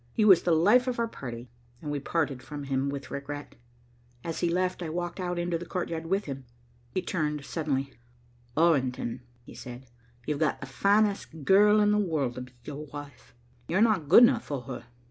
He was the life of our party, and we parted from him with regret. As he left, I walked out into the courtyard with him. He turned suddenly. "Orrington," he said, "you've got the finest girl in the world to be your wife. You're not good enough for her.